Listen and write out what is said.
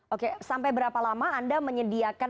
oke sampai berapa lama anda menyediakan